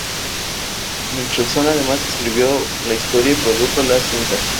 Nicholson además escribió la historia y produjo la cinta.